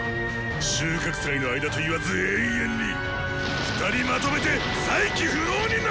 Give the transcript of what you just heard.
収穫祭の間といわず永遠に二人まとめて再起不能になるまで。